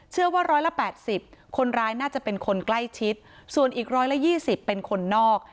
ว่าร้อยละ๘๐คนร้ายน่าจะเป็นคนใกล้ชิดส่วนอีก๑๒๐เป็นคนนอก